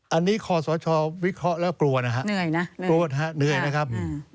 อันนี้ครอสละชอวิเคราะห์แล้วกลัวนะครับ